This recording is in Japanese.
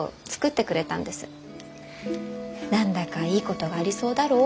「何だかいいことがありそうだろう？」